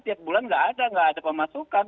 tiap bulan nggak ada nggak ada pemasukan